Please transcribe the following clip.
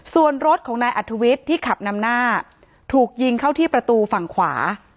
ส่วนรถของนายอัธวิทย์ที่ขับนำหน้าถูกยิงเข้าที่ประตูฝั่งขวา